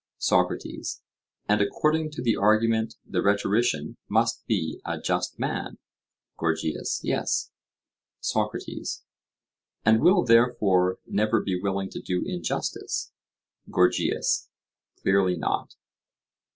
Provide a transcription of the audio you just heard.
SOCRATES: And according to the argument the rhetorician must be a just man? GORGIAS: Yes. SOCRATES: And will therefore never be willing to do injustice? GORGIAS: Clearly not.